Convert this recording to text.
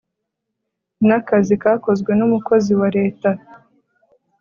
n akazi kakozwe n umukozi wa Leta